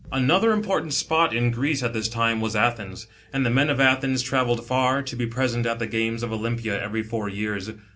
Another important spot in Greece at this time was Athens, and the men of Athens travelled far, to be present at the games of Olympia every four years.